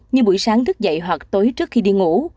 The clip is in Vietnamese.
như buổi sáng thức dậy hoặc tối trước khi đi ngủ